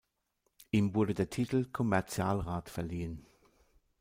Ihm wurde der Titel "Kommerzialrat" verliehen.